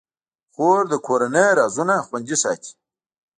خور د کورنۍ رازونه خوندي ساتي.